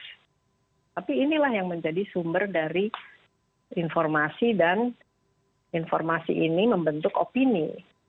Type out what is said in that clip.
tapi inilah yang menjadi sumber dari informasi dan informasi ini membentuk opini